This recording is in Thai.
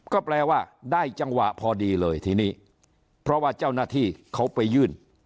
ก็แปลว่าได้จังหวะพอดีเลยทีนี้เพราะว่าเจ้าหน้าที่เขาไปยื่น